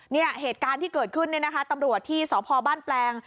เหตุการณ์ที่เกิดขึ้นเนี่ยนะคะตำรวจที่สพบ้านแปลง